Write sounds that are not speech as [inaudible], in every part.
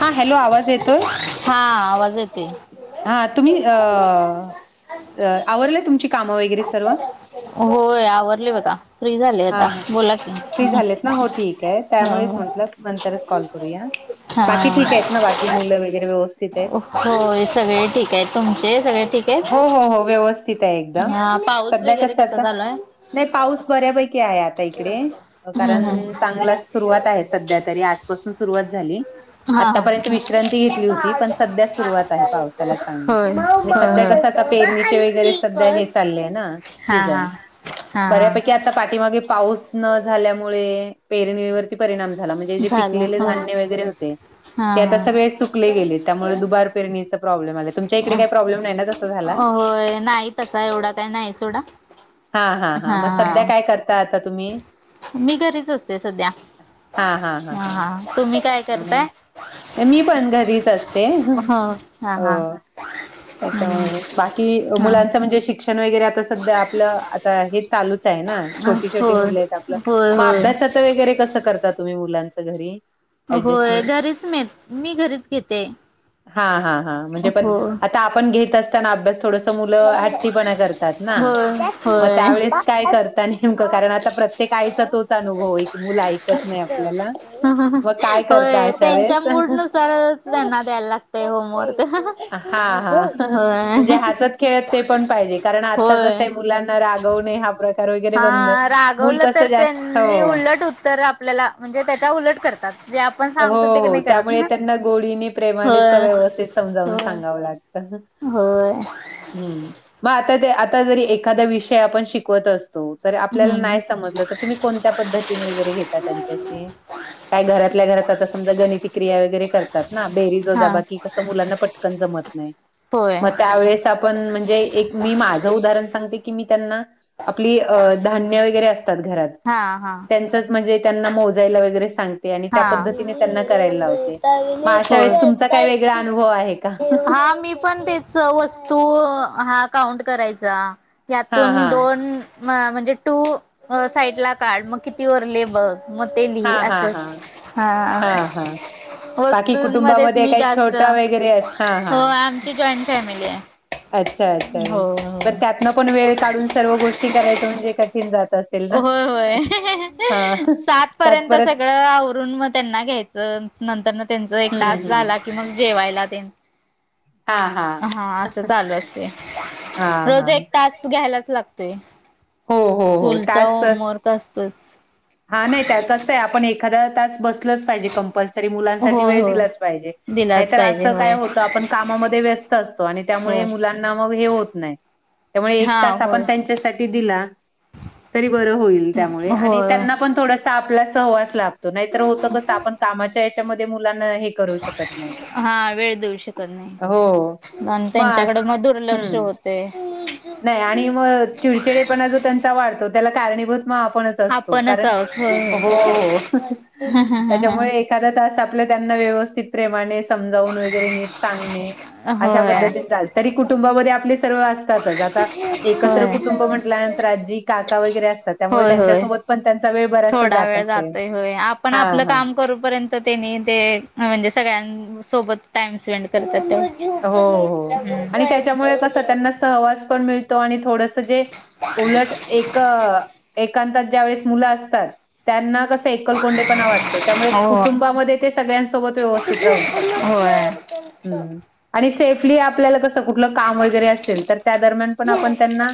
हा हॅलो आवाज येतोय. हा आवाज येतोय. हा तुम्ही अ आवरलं तुमची कामं वगैरे सर्व होय आव रले बघा फ्री झाले हा आता हा बोला की फ्री झालेत ना हो ठीक आहे त्यामुळेच म्हंटलं नंतरच कॉल करूया, बाकी ठीक आहेत हा ना बाकी मुलं वगैरे व्यवस्थित आहेत. होय सगळे ठीक आहे, तुमचे सगळे ठीक आहे. हो हो व्यवस्थित आहे एकदम, पाऊस सध्या वगैरे कस कसा आता चालू आहे नही पाऊस बऱ्यापैकी आहे आता इकडे, हम्म कारण हम्म चांगला सुरुवात आहे सध्या तरी आज पसून सुरुवात झाली हा हा आतापर्यंत विश्रांती घेतली होती, पण सध्या सुरुवात आहे पाऊ साला चांगली, होय न सध्या होय कस पेरणीचे वैगरे होय चालय ना हा हा शिजन हा हा बऱ्यापैकी आता आता पाठीमागे पाऊस न झाल्यामुळे पेरणीवर. ती परिणाम झाला म्हणजे जे झाला पिकलेले होय धान्य वगैरे होते, हा ते आता हा सगळे सुकले गेले. त्यामुळ दुबार पेरणीचा प्रॉब्लेम आला, तुमच्या इकडे काही प्रॉब्लेम नाही ना तसा झाला. होय नाहीत. तसा एवढा काय नाही सोडा. हा हा हा म सध्या काय करता आता तुम्ही? मी घरीच असते सध्या हा तुम्ही? काय करताय मी पण घरीचच. ते हो हं हा हा अ त्याच्यामुळेच बाकी हा मुलांच म्हणजे शिक षण वैगरे आता सध्या आपलं आता हे चालुच च हे ना छोटी, छोटी होय मुले आहेत आपलं, होय मं होय अभ्यासाचं वगैरे कसं करता तुम्ही मुलांच घरी? होय ऍडजस्टमेंट घरीच मी मी घरीच घेते हा हा हा हो म्हणजे पण आ पण घेत असताना अभ्यास थोड त मूल हट्टी पणा करतात ना, होय मग होय त्या वेळेस काय करता नि नेमकं कारण आता प्रत्येक आईचा तोच अनुभव आहे, की मुलं ऐकत नाही आपल्याला. मग काय करता होय अशा त्यांच्या वेळेस मूडनुसारच, त्यांना द्यायला लागतय होमवर्क. हा हा होय म्हणजे हसत खेळत ते पण पाहिजे, कारण आता कस होय मुलां रागव हा प्र हा रागवलं तर त्यांनी हो, उलट उत्तर आपल्याला म्हणजे त्याच्या उलट करतात. जे आपण हो सांगतो ते हो नाही करत त्यामुळे ना त्यांना गोळीने प्रेमानेच होय व्यवस्थित समजावून होय सांगावं लागतं. होय हम्म मग आता ते आता जरी एखादा विषय आपण शिकवत असतो बर आपल्याला हम्म नाही समजलं तर तुम्ही कोणत्या पद्धतीने वगरे घेता त्यांच्याशी काय घरातल्याात समजा गणितिक्रिया वगरे करतात ना बेरी हा प ज होय म ण म्हणजे एक मी माझं उदाहरण सांगते की मी त्यांना आपली धान्य वगैरे असतात घरात हा हा त्यांचच म्हणजे त्यांना मोजायला वगैरे सांगते आणि त्या पद्ती ए वेळेस तुमचा का काय वेगळा अनुभव आहे का हा मी पण दच वस्तू हा काउंट करायचा हा यातून हा दोन म्हणजे टू साईड ला काढ मग किती रले बघ मग ते लिही हा हा असं हा हा बाकी वस्तूंमध्येच कुटुंबामध्ये मी काही जास्त छोटा वगैरे अस हा हो हा आ जची जॉईंट फॅमिली आहे अच्छा अच्छा हो हो. प त्यातनं पण वेळ काढून सर्व गोष्टी करायचं म्हणजे कठीण जात असेल ना. होय होय हा सात त्यात पर्यंत परत सगळं आवरून मग त्यांना घ्यायचं नंतर त्यांच एक हम्म तास हम्म झाला मी मग जेवायला देन हा हा असं चालू असते हा रोज हा एक तास घ्यायलाच लागतोय हो हो हो स्कूलचा तास होमवर्क असतोच हा नाही त्या कसं आहे आपण एखादा तास बसतो क होय होय दिलाच पाहिजे होय मु व कामामध्ये व्यस्त असतो आणि त्यामुळे होय. मुलांना मग हे होत नाही त्यामुळे एक हा तास आपण होय त्यांच्यासाठी दिला तरी बर होईल त्यामुळे आणि होय आपण थोडसा आपला सहवास लातो नाहीतर होत कस आपण कामाच्या याच्यामध्ये मुलांना हे करू शकतो हा वेळ देऊ शकत नाही हो प मग अश त्यांच्याकडे मग दुर्लक्ष हम्म. होते नाही आणि मग चिडचिडेपणा जो त्यांचा वाढतो त्याला कारणीभूत मग आपण त्या आपणच आहोत होय एखा तास आपलं त्यांना व्यवस्थित प्रेमाने समजावून वगैरे नीट सांगणे अशा होय पद्धतीन चाल तरी कुटुंबामध्ये आपले सर्व ता एकत्र होय. कुटुंब म्हटल्यानंतरी काका वगैरे असतात त्यामुळे होय होय. त्यांच्यासोबत पण त्यांचा वेळ भर थोडा वेळ जातय होय आपण आपलं हा काम करूपर्यंत त्यांनी ते म्हणजे सगळ्यां सोबत टाइम स्पेंड करतात ते हो तट वा पणतो आणि थोडस जे उलट एक ांतात ज्या वेळेस मुलं असतात त्यांना कसं एकलकोंडेपणा वाटतो त्यामुळे हो. कुटुंबामध्ये ते सगळ्यांसोबत व्यवस्थित राहू शकतात हो आणि सेफली आपल्याला क कु का वरे असेल तर त्या दरम्यान पण आपण त्यांना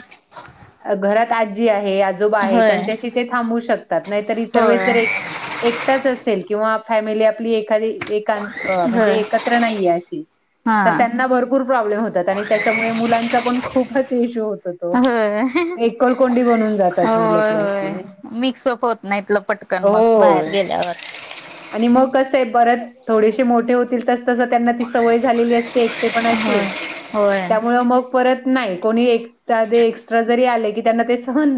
घरात आजी आहे जो आहे होय. त्यांच्याशी ते थांबू शकतात नाहीतर इतर होय. वेळेस जर एक एकताच असेल किंवा फॅमिली आपली एखादी एक म्हणजे होय. एकत्र नाहीये अशी हा. तर त्यांना भरपूर प्रॉब्लेम होतात आणि त्याच्यामुळे मुलांचा पण खूपच इश्यू होतो तो. होय एकलकोंडी बनून जातात मुलं होय ती होय अशी. मिक्सअप होत ना इतलं पट ण मग बाहेर हो. गेल्यावर आणि मग कसं आहे परत थोडेसे मोठे होतील तस तसं त्यांना ती सवय झालेली असते ते पण होय. अशी होय. त्यामुळ मग त नाही ह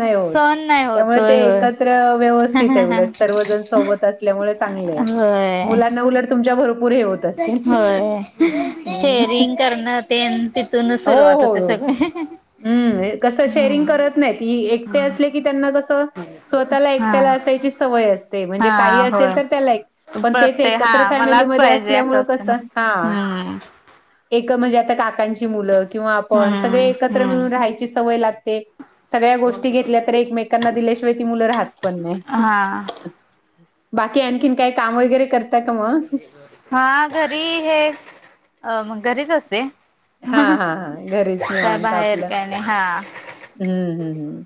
नाही होत सहन नाही होत. त्यामुळे होय होय. व्यवस्थित उल सर्वजण सोबत असल्यामुळे चांग होय. मुलांना उट तुमच्या भपूर हे होत असेल हम्म शेरिंग करण ते तिथूनच हो सुरुवात होते हो. सगळे हम्म कसं शेअरिंग करत नाहीत एकटे असले की त्यांना कसं स्वतःला हा. एकट्याला असायची समय असते हा म्हणजे काही असेल होय. तर त्या एक पण तेच प्रत्येक हा एकत्र मलाच फॅमिलीमध्ये पाहिजे असं असल्यामुळे असतं कस ना. हा हम्म. एक म्हणजे आता काकांची मुलं किंवा आपण सगळे हम्म. एकत्र हम्म. मिळून राहायची सवय लागते सगळ्या गोष्टी घेतल्या तर एकमेकांना दिल्याशिवाय ती मुलं राहत पण नाही हा. बाकी आणखीन काही काम वगैरे करता का मग हा घरी हे अ मग घरीच असते हां, हां, हां. घरीच काय बाहेर काय नाही हा हम्म हम् हम्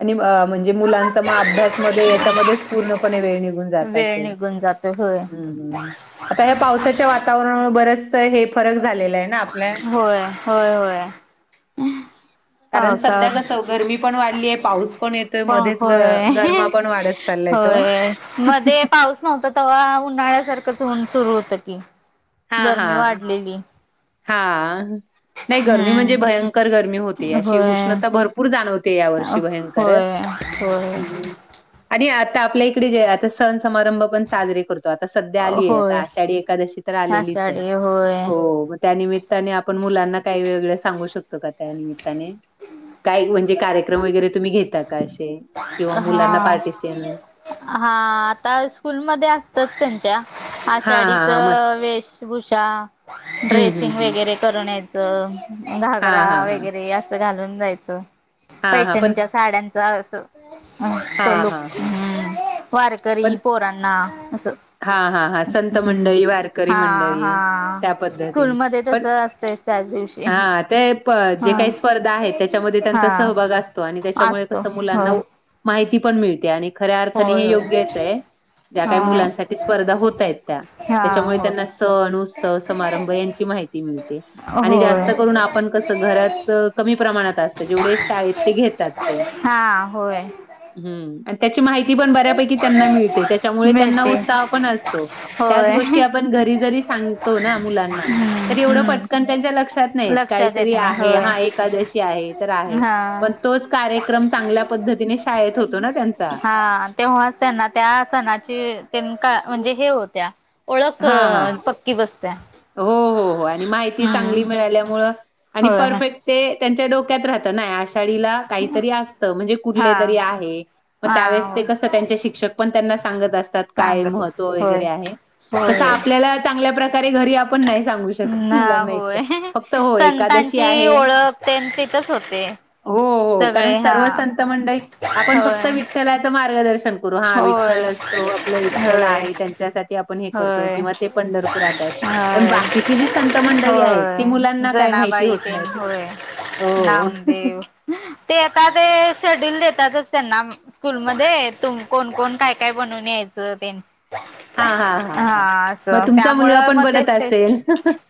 आणि म्हणजे मुलांचा मग अभ्यासमध्ये याच्यामध्येच पूर्णपणे वेळ निघून जात वेळ असेल निघून जातो होय. हम्म ह् आता या्या पावसाच्या वातावरणामुळे बरच हे फरक झालेला आहे ना आपल्या होय होय होय कारण सध्या पावसात कसं गरमी पण वाढलीय पाऊस पण येतोय पण मध्येच ग होय. गरमा पण वाढत चाललाय तो होय मध्ये पाऊस नव्हता तेव्हा उन्हाळ्यासारखंच होऊन सुरू होतं की हा हा गरमी वाढलेली हा नाही गरमी म्हणजे हम्म भयंकर गरमी होते अशी होय. उष्णता भरपूर जाणवते या वर्षी भयंकरच हम्म. हो आणि आता आपल्या इकडे जे आता सण समारंभ पण साजरे करतो आता सध्या आलीय आता होय आषाढी एकादशी तर आलेलीच आहे आषाढी होय. हो त्या नििमित्ताने आपण मुलांना काही वेगळ सांगू शकतो का त्या निमित्ताने काय म्हणजे कार्यक्रम वगैरे तुम्ही घेता का असे किंवा मुलांना हा पार्टिस हा आता स्कूलमध्येध्ये असतच त्यांच्या हा हा आषाढीच हा मग वेशभूषा हम्म हम्म ड्रेसिंग हम्म. वगैरे करून यायचं हा घागरा हा हा वगैरे असं घालून जायचं हा हा पण पैठणीच्या साड्यांचा अस हा तो लुक हा हा हम्म वारकरी पण पोरणा असं हा हा हा संत हम्म मंडळी वारकरी हा मंडळी हा त्या स्कूल पद्धतीने म पण तस असत त्याच दिवशी हा ते प जे हा काही स्पर्धा आहेत त्याच्यामध्ये हा त्यांचा सहभाग असतो हो मा पण मिते आणि खऱ्या अर्थाने होय हे होय योग्यच आहे ज्या काही हा मुलांसाठी प्रति स्पर्धा होत आहेत त्या त्याच्यामुळे हा त्यांना सण उस्तव समारंभ यांची माहिती मिळते हो आणि जास्त करून आपण कसं होय घरात कमी प्रमाणात असत जेवढे शाळेत ते घेतात ते हां होय ह त्याची माहिती पण बऱ्यापैकी त्यांना मिळते त्याच्यामुळे त्यां मिळते ताव पण असतो त्याच होय गोष्टी आपण घरी जरी सांगतो ना मुलांना तरी येवढं पटल हम्म पण त्यांच्या लक्षात नाहीत लक्षात काहीतरी येत नाही आहे होय हा एकादशी आहे तर आहे हा पण तोच कार्यक्रम चांगल्या पद्धतीने शाळेत होतो ना त्यांचा हा तेव्हाच त्यांना त्या सणाची त्यां का म्हणजे हे होत्या ओळख हा हा पक्की बसते हो हो हो आणि माहिती चांगली मिळाल्यामुळ आणि होय परफेक्ट ते त्यांच्या डोक्यात राहत ना आषाढीला काहीतरी असत म्हणजे हा कुठले तरी आहे मग हा त्यावेळेस ते होय कस ते त्यांचे शिक्षक पण त्यांना सांगत असतात काय सांगतच महत्त्व वगैरे होय आहे. होय तसं होय आपल्याला चांगल्या प्रकारे घरी आपण नाही सांगू श. ना मुलांना एक होय फक्त हो एकादशी संतांची आहे. ओळख ते तिथच होते हो हो कारण सगळे हा सर्व संत मंडळी आपण फक्त होय विठ्ठलाचं मार्गदर्शन हा विठ्ठल होय असतो आपल्या विठ्ठल होय आहे त्यांच्यासाठी आपण हे करतो. होय किं ते पंढरपुरात आहेत पण होय बाकीची जी संत मंडळी आहेत ती होय मुलांना काय माहिती जनाबाई नाहीत ना. होय हो. नामदेव ते यता ते शेड्युल देतातस त्यांना स्कूलमध्ये तुम कोण कोण काय काय बनून यायचं ते हा हा. हा असं त्यामुळं मग ते स्टेज असेल?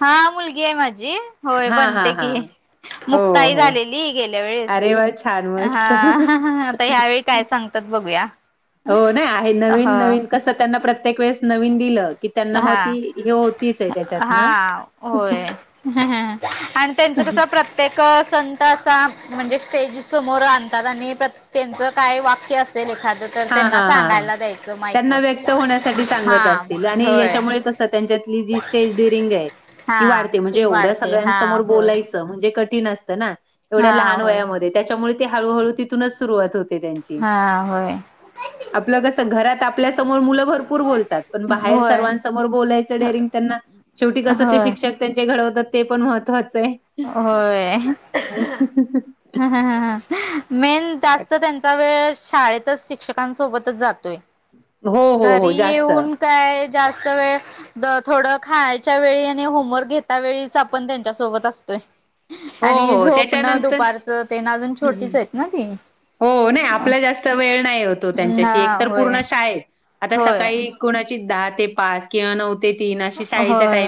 हा मुलगी आहे माझी. होय हां, बनते हां, की हां. हो, मुक्ताई हो. झालेली गेल्या वेळेस अरे वाह! छान हा मस्त. आता ह्यावेळी काय सांगतात बघूया. हो नाही आहे ह नवीन नवीन कसं त्यांना प्रत्येक वेळेस नवीन दिलं. कि त्यांना मग हा ती हे होतीच आहे त्याच्यात ना. हा होय. आणि त्यांचं कसं प्रत्य प्रत्येक संत असं म्हणजे स्टेजीसमोर आणतात आणि प्रत्यक त्यांचं काय वाक्य असेल एखांद हा हा हां त्यांना व्यक्त होण्यासाठी सांगत हा असतील. आणि होय याच्यामुळे कसं त्यांच्यातली जी स्टेज ड्युरिंग आहे. ती हा वाढते म्हणजे ती एवढ्या वाढते हा सगळ्यांसमोर होय. बोलायच. म्हणजे कठीण असतं ना एवढ्या हा लहान होय वयामध्ये त्याच्यामुळे हळू हळू तिथूनच सुरुवात होते. हा होय. आपलं कसं घरात आपल्यासमोर मुलं भरपूर बोलतात पण बाहेर होय सर्वांसमोर बोलायचं डेरिंग त्यांना शेवटी कसं ते होय. शिक्षक त्यांचे घडवतात ते पण महत्त्वाचं आहे. होय ह ह ह ह. मेन जास्त त्यांचा वेळ शाळेतच शिक्षकांसोबतच जातोय. हो, हो, घरी हो, जास्त. येऊन काय जास्त वेळ थोडं खायच्या वेळी आणि होमवर्क घेता वेळीच आपण त्यांच्यासोबत असतोय. हो, आणि हो झोपणं त्याच्यानंतर दुपारचं ते ना अजून छोटीच आहेत ना ती हो नाही आपला जास्त वेळ नाही होतो ना त्यांच्याशी एक तर होय पूर्ण शाळेत आता होय सकाळी कुणाची दहा ते पाच किंवा नव्हती. होय.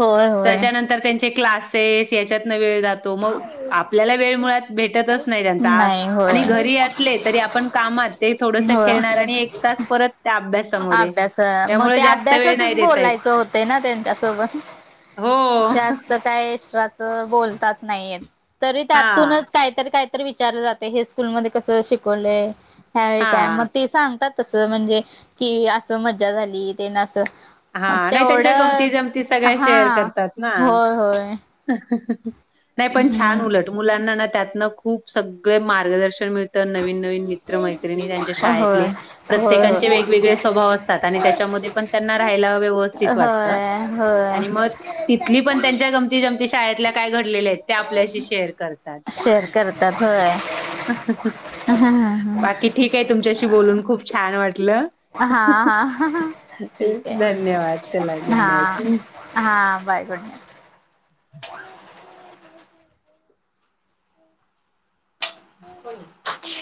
होय होय याच्यात वेळ जातो मग आपल्याला वेळ मुळात भेटतच नाही त्यांचा नाही होय आणि घरी असले तरी आपण कामात ते थोडस होय. खेळणार आणि एक तास परत त्या अभ्यासामध्ये अभ्यास मग त्यामुळे ते जास्त वेळ नाही अभ्यासासच देता येत बोलायचं होते ना त्यांच्यासोबत हो जास्त काय एस्ट्राच बोलतात नाहीेत तरी हा त्यातूनच कायत काय तर विचार जात हे स्कूलमध्ये कस शिकवलं ह्यावेळी काय हा मग ते सांगतात. तस म्हणजे कि असं मज्जा झाली ते ना असं. मग हा नाही त्यांच्या गमती तेवढंच जमती सगळ्या शेअर हा करतात ना. होय होय नाही पण हम्म छान उलट मुलांना ना त्यातनं खूप सगळे मार्गदर्शन मिळ. तर नवीन नवीन मित्र मैत्रिणी त्यांच्या होय शाळेतले होय होय. प्रत्येकांचे वेगवेगळे स्वभाव अस. त्याच्यामध्ये पण त्यांना राहायला व्यवस्थित वाटत होय होय आणि मग तिथली पण त्यांच्या गमती जमती शाळेतल्या काय घडलेल्या आहेत त्या आपल्याशी शेअर करते. शेअर करतात होय ह. बाकी ठीक आहे तुमच्याशी बोलून खूप छान वाटलं. हा हा ठीक धन्यवाद चला आहे गुड हा. नाईट. हा बाय गुड नाईट [unintelligible]